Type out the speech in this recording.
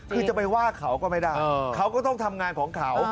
คือจะไปว่าเขาก็ไม่ได้เขาก็ต้องทำงานของเขา